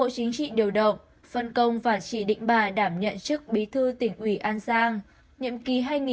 chị điều động phân công và chị định bà đảm nhận chức bí thư tỉnh ủy an giang